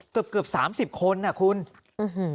เกือบเกือบสามสิบคนอ่ะคุณอื้อหือ